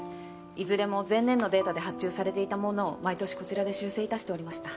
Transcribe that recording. いずれも前年のデータで発注されていたものを毎年こちらで修正致しておりました。